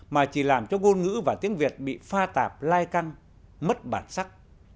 mà chỉ làm cho ngôn ngữ và tiếng việt bị pha tạp lai căng mất bản sắc